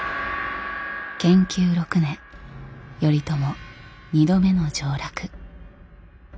建久６年頼朝２度目の上洛。